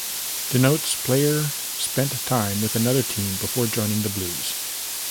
Denotes player spent time with another team before joining the Blues.